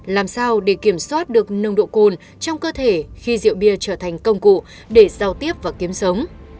làm sao để kiểm soát được nồng độ cồn trong cơ thể khi rượu bia trở thành công cụ để giao tiếp và kiếm sống